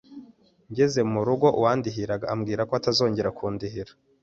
ngeze mu rugo uwandihiraga ambwira ko atazongera kundihira